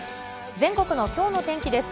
全国のきょうの天気です。